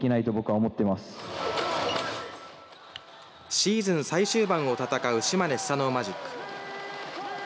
シーズン最終盤を戦う島根スサノオマジック。